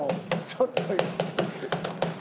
ちょっと言った。